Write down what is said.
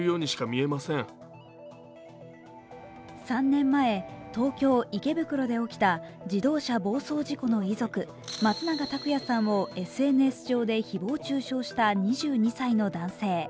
３年前、東京・池袋で起きた自動車暴走事故の遺族、松永拓也さんをＳＮＳ上で誹謗中傷した２２歳の男性。